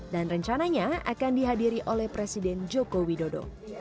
dan rencananya akan dihadiri oleh presiden joko widodo